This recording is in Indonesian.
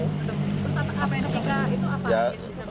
terus apa yang ketiga itu apa